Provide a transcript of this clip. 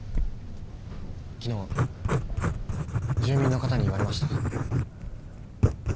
昨日住民の方に言われました。